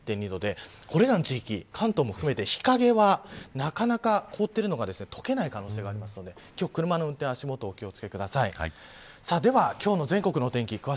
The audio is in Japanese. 高知もマイナス１．２度でこれらの地域含めて日陰はなかなか凍ってるのが解けない可能性があるので車の運転、足元にお気を付けください。